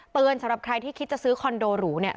สำหรับใครที่คิดจะซื้อคอนโดหรูเนี่ย